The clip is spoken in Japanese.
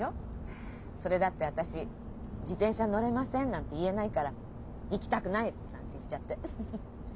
それだって私「自転車乗れません」なんて言えないから「行きたくない」なんて言っちゃってフフフ。